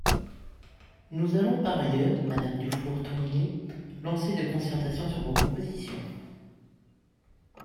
Nous allons par ailleurs, madame Dufour-Tonini, lancer des concertations sur vos propositions.